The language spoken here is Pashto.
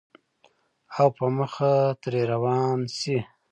او پۀ مخه ترې روان شې